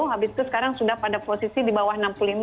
habis itu sekarang sudah pada posisi di bawah enam puluh lima